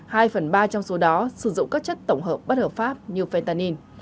hai phần ba trong số đó sử dụng các chất tổng hợp bất hợp pháp như phetamin